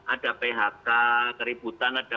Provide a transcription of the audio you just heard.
ada phk ributan ada